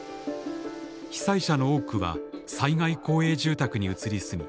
被災者の多くは災害公営住宅に移り住み